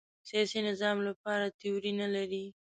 سیاسي نظام لپاره تیوري نه لري